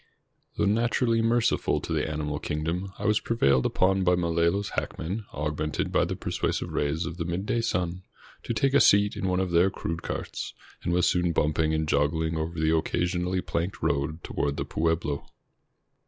Though naturally merciful to the animal kingdom, I was prevailed upon by Malolos " hackmen," augmented by the persuasive rays of the midday sun, to take a seat in one of their crude carts, and was soon bumping and joggling over the occasionally planked road toward the pueblo.